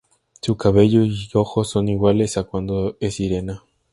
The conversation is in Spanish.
Su cabello y ojos son iguales a cuando es sirena.